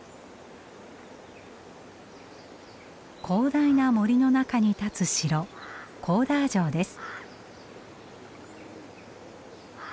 広大な森の中に立つ城コーダー城です。